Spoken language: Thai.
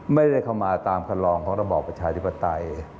ไม่ได้เข้ามาตามคำลองของระบอบประชาธิปไตย